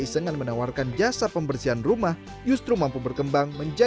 jadi awalnya nggak sengaja